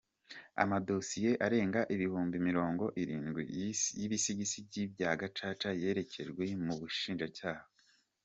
Amadosiye arenga ibihumbi mirongo irindwi y’ibisigisigi bya Gacaca yerekejwe mu Bushinjacyaha